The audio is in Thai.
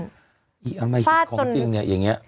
ฟาดจนเอี๊ยยเอามาให้ขิดของจริงเนี่ยอย่างนี้